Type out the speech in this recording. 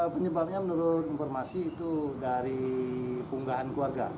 penyebabnya menurut informasi itu dari unggahan keluarga